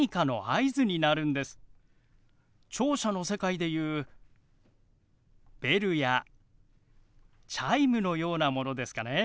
聴者の世界で言うベルやチャイムのようなものですかね。